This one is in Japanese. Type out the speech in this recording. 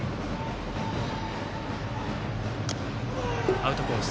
アウトコース。